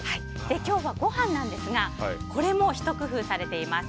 今日はご飯なんですがこれもひと工夫されています。